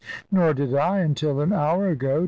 "Nor did I until an hour ago.